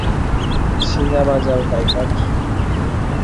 শিঙা বাজাও, পাইপার!